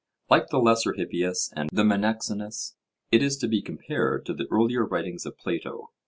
Like the Lesser Hippias and the Menexenus, it is to be compared to the earlier writings of Plato.